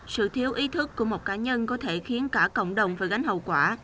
sự thiếu ý thức của một cá nhân có thể khiến cả cộng đồng phải gánh hậu quả